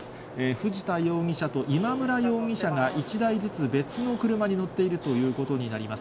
藤田容疑者と今村容疑者が１台ずつ、別の車に乗っているということになります。